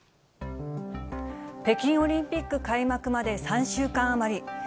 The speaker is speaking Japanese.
北京オリンピック開幕まで３週間余り。